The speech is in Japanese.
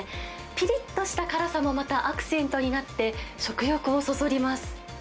ぴりっとした辛さもまたアクセントになって、食欲をそそります。